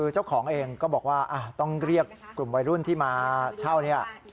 เจ้าของเองก็บอกว่าต้องเรียกกลุ่มวัยรุ่นที่มาเช่าเนี่ย